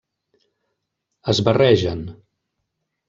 Es barregen.